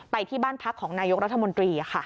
ที่บ้านพักของนายกรัฐมนตรี